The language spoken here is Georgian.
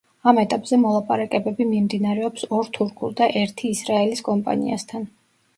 ამ ეტაპზე მოლაპარაკებები მიმდინარეობს ორ თურქულ და ერთი ისრაელის კომპანიასთან.